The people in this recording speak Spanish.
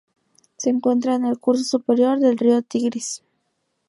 Se encuentra en el curso superior del río Tigris.